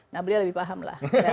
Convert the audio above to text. nah beliau lebih paham lah